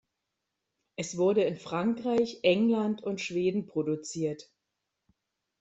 Es wurde in Frankreich, England und Schweden produziert.